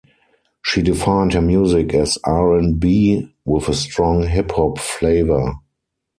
She defined her music as "R and B with a strong hip hop flava".